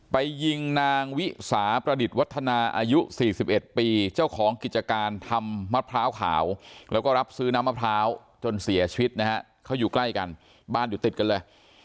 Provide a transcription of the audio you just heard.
ไปยิงนางวิสาประดิษฐ์วัฒนาอายุ๔๑ปีเจ้าของกิจการทำมะพร้าวขาวแล้วก็รับซื้อน้ำมะพร้าวจนเสียชีวิตนะฮะเขาอยู่ใกล้กันบ้านอยู่ติดกันเลย